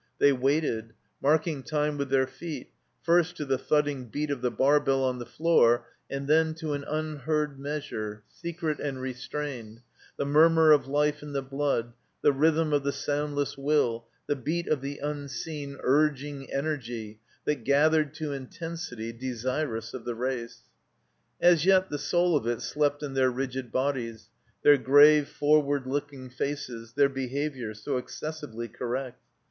They waited, marking time with their feet, first, to the thudding beat of the bar bell on the floor and then to an unheard measure, secret and restrained, the murmiu" of life in the blood, the rhythm of the sotmdless will, the beat of the unseen, urging energy, that gathered to intensity, desirous of the race. As yet the soul of it slept in their rigid bodies, their grave, forward looking faces, their behavior, so excessively correct.